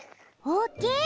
おおきい！